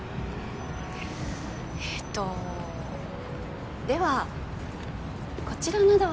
えっとではこちらなどは？